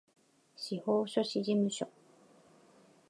司法書士事務所